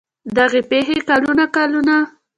دغې پېښې کلونه کلونه